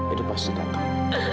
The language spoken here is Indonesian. edo pasti datang